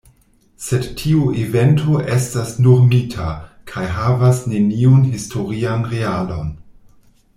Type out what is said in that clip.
Sed tiu evento estas nur mita, kaj havas neniun historian realon.